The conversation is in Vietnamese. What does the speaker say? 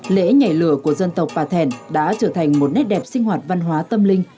lễ nhảy lửa của dân tộc bà thẻn đã trở thành một nét đẹp sinh hoạt văn hóa tâm linh